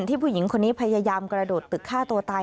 ผู้หญิงคนนี้พยายามกระโดดตึกฆ่าตัวตาย